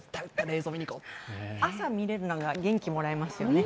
朝見れるのが元気もらえますよね。